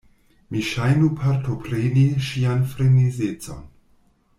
Mi ŝajnu partopreni ŝian frenezecon.